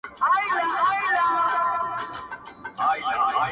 o ټول عمر ښېرا کوه دا مه وايه.